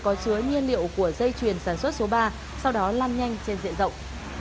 có chứa nhiên liệu của dây chuyền sản xuất số ba sau đó lan nhanh trên diện rộng